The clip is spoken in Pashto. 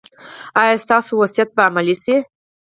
ایا ستاسو وصیت به عملي نه شي؟